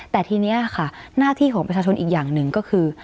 แต่ทีนี้ค่ะหน้าที่ของประชาชนอีกอย่างหนึ่งก็คือ